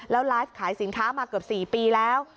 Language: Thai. แล้วไลฟ์ขายสินค้ามาเกือบ๔ปีแล้ว